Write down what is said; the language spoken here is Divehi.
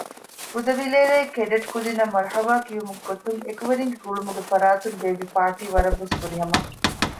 ބުދަވިލޭރޭ ކެޑެޓް ކުދިންނަށް މަރުޙަބާ ކިޔުމުގެ ގޮތުން އެކުވެރިންގެ ގުޅުމުގެ ފަރާތުން ބޭއްވި ޕާރޓީ ވަރަށް ވެސް ފުރިހަމަ